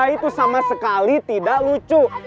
itu sama sekali tidak lucu